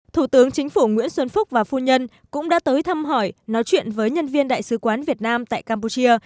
thủ tướng chính phủ nguyễn xuân phúc và phu nhân cũng đã tới thăm hỏi nói chuyện với nhân viên đại sứ quán việt nam tại campuchia